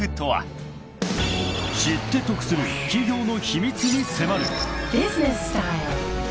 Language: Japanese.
［知って得する企業の秘密に迫る］